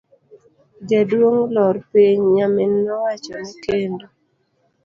Jaduong' lor piny, nyamin nowachone kendo.